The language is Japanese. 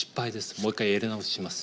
もう一回やり直しします。